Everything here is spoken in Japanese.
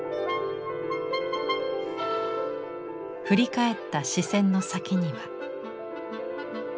振り返った視線の先には。